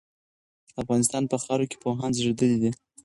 د افغانستان په خاوره کي پوهان زېږيدلي دي.